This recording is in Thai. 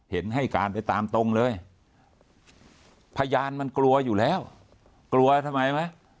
เห็นให้การไปตามตรงเลยพยานมันกลัวอยู่แล้วกลัวทำไมไหม